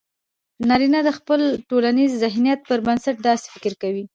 نارينه د خپل ټولنيز ذهنيت پر بنسټ داسې فکر کوي